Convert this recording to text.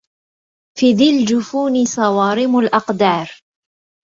في ذي الجفون صوارم الأقدار